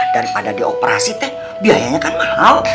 daripada di operasi teh biayanya kan mahal